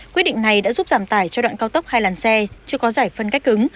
quyết định này đã giúp giảm tải cho đoạn cao tốc hai làn xe chưa có giải phân cách cứng